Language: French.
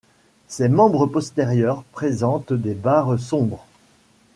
Ses membres postérieurs présentent des barres sombres.